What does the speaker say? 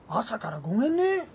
朝からごめんね。